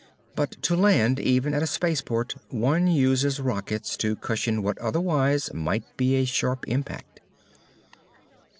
But to land even at a space port one uses rockets to cushion what otherwise might be a sharp impact.